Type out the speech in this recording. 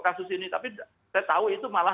kasus ini tapi saya tahu itu malah